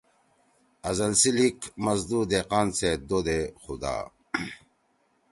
ازل سی لیِک مزدُو دیقان سیت دودے خدا